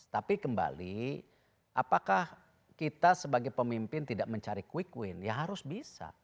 tapi kembali apakah kita sebagai pemimpin tidak mencari quick win ya harus bisa